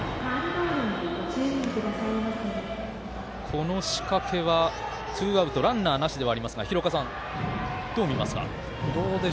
この仕掛けは、ツーアウトランナーなしではありますが廣岡さん、どう見ますか？